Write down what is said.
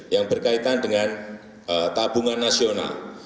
yang berkaitan dengan tabungan nasional